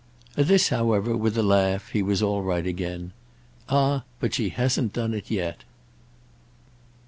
At this, however, with a laugh, he was all right again. "Ah but she hasn't done it yet!"